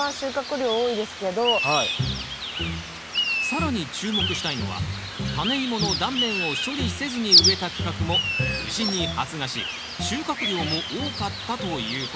更に注目したいのはタネイモの断面を処理せずに植えた区画も無事に発芽し収穫量も多かったということです